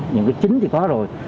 những cái chính thì có rồi